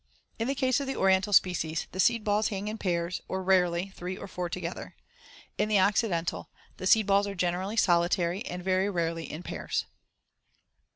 In the case of the Oriental species, the seed balls hang in pairs or (rarely) three or four together. In the Occidental, the seed balls are generally solitary and very rarely in pairs.